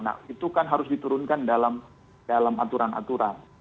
nah itu kan harus diturunkan dalam aturan aturan